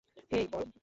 হেই, পল।